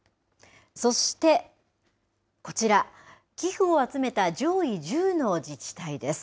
そしてこちら、寄付を集めた上位１０の自治体です。